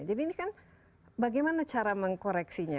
jadi ini kan bagaimana cara mengkoreksinya